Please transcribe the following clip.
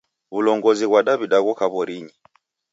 W'ulongozi ghwa Daw'ida ghoka w'orinyi.